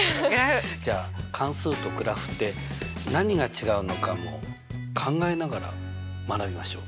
じゃあ関数とグラフって何が違うのかも考えながら学びましょう。